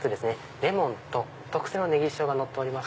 レモンと特製のネギ塩がのっております